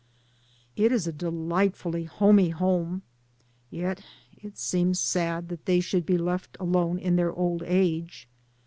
It is a de lightfully homey home, yet it seems sad that they should be left alone in their old age.